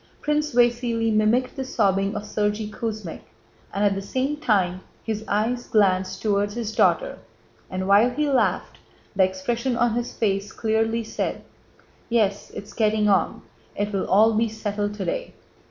Prince Vasíli mimicked the sobbing of Sergéy Kuzmích and at the same time his eyes glanced toward his daughter, and while he laughed the expression on his face clearly said: "Yes... it's getting on, it will all be settled today."